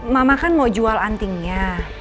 mama kan mau jual antingnya